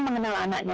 kita mengenal anaknya